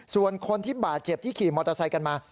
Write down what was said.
ส่วนคนที่บาดเจ็บที่ขี่มอเตอร์ไซค์กันมา